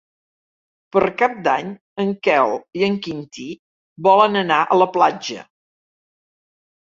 Per Cap d'Any en Quel i en Quintí volen anar a la platja.